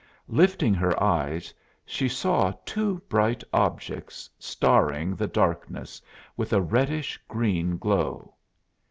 Lifting her eyes she saw two bright objects starring the darkness with a reddish green glow.